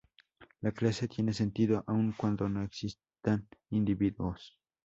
La clase tiene sentido aun cuando no existan individuos.